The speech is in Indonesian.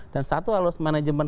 dan satu harus manajemen